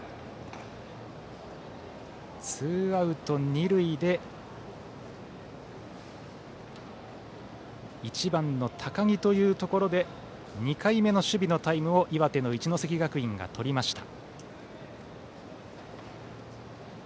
ツーアウト、二塁で１番の高木というところで２回目の守備のタイムを岩手の一関学院がとりました。